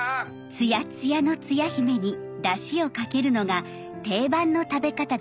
ツヤッツヤのつや姫にだしをかけるのが定番の食べ方です。